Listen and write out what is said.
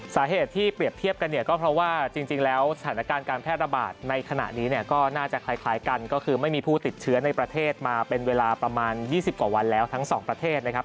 สาเหตุที่เปรียบเทียบกันเนี่ยก็เพราะว่าจริงแล้วสถานการณ์การแพร่ระบาดในขณะนี้เนี่ยก็น่าจะคล้ายกันก็คือไม่มีผู้ติดเชื้อในประเทศมาเป็นเวลาประมาณ๒๐กว่าวันแล้วทั้งสองประเทศนะครับ